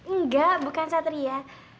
enggak bukan satria